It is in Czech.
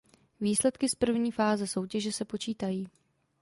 Výsledky z první fáze soutěže se počítají.